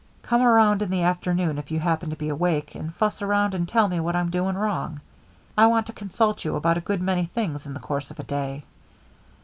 Come around in the afternoon if you happen to be awake, and fuss around and tell me what I'm doing wrong. I want to consult you about a good many things in the course of a day."